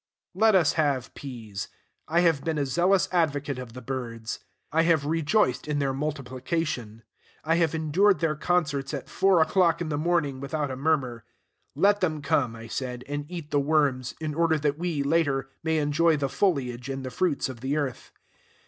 Let us have peas. I have been a zealous advocate of the birds. I have rejoiced in their multiplication. I have endured their concerts at four o'clock in the morning without a murmur. Let them come, I said, and eat the worms, in order that we, later, may enjoy the foliage and the fruits of the earth.